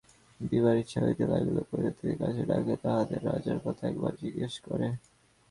বিভার ইচ্ছা হইতে লাগিল, প্রজাদিগকে কাছে ডাকিয়া তাহাদের রাজার কথা একবার জিজ্ঞাসা করে।